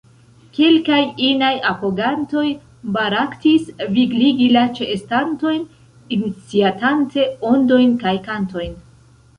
Kelkaj inaj apogantoj baraktis vigligi la ĉeestantojn, iniciatante ondojn kaj kantojn.